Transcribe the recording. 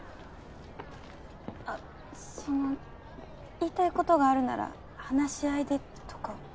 あその言いたいことがあるなら話し合いでとか。